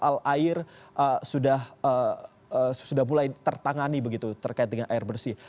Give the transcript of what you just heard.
soal air sudah mulai tertangani begitu terkait dengan air bersih